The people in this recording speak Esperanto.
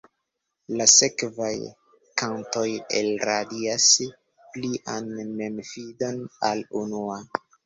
La sekvaj kantoj elradias plian memfidon, ol la unua.